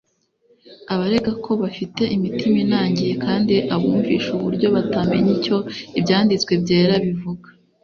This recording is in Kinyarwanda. Abarega ko bafite imitima inangiye kandi abumvisha uburyo batamenye icyo Ibyanditswe byera bivuga.